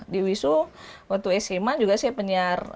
di wisu waktu sma juga saya penyiar